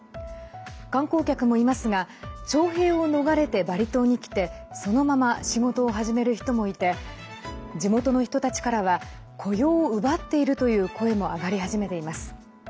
観光客もいますが徴兵を逃れてバリ島に来てそのまま仕事を始める人もいて地元の人たちからは雇用を奪っているという声も上がり始めています。